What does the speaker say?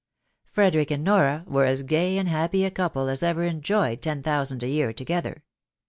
Frederick and Nora were as gay and happy a couple as ever enjoyed ten thousand a year together.